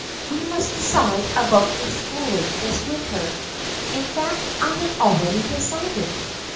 " We must decide about your school ing this winter. In fact, I have already decided